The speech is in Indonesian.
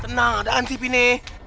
tenang ada ansi pini